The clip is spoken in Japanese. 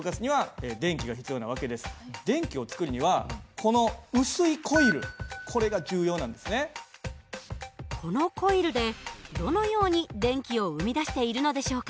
このコイルでどのように電気を生み出しているのでしょうか？